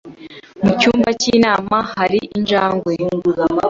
Mu cyumba cy'inama hari injangwe.